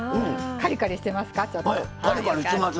カリカリしてます。